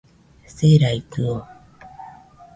Siraidɨo